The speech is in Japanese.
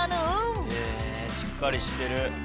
しっかりしてる。